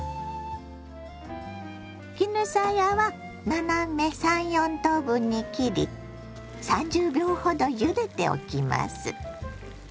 絹さやは斜め３４等分に切り３０秒ほどゆでておきます。